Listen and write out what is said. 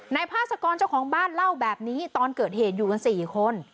พาสกรเจ้าของบ้านเล่าแบบนี้ตอนเกิดเหตุอยู่กัน๔คน